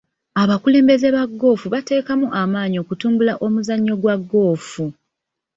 Abakulembeze ba goofu bateekamu amaanyi okutumbula omuzannyo gwa goofu.